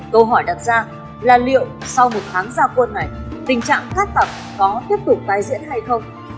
câu hỏi đặt ra là liệu sau một tháng gia quân này tình trạng cát tặc có tiếp tục tái diễn hay không